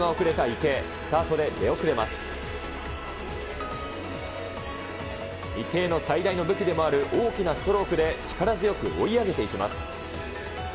池江の最大の武器でもある大きなストロークで、力強く追い上げていきます。